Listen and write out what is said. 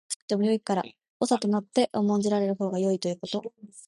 大きな集団や組織の末端にいるより、小さくてもよいから長となって重んじられるほうがよいということ。